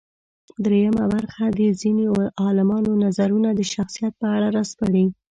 درېیمه برخه د ځينې عالمانو نظرونه د شخصیت په اړه راسپړي.